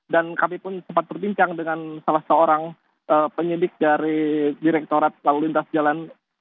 dan kami pun sempat berbincang dengan salah seorang penyelidik dari direkturat lalu lintas jalan